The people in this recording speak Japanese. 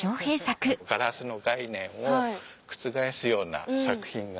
ガラスの概念を覆すような作品が。